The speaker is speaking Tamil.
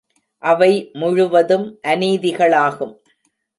அவை முழுவதும் அநீதிகளாகும்.